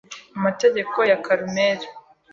amategeko ya Karumeli